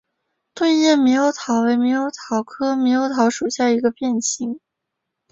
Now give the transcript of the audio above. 钝叶猕猴桃为猕猴桃科猕猴桃属下的一个变型。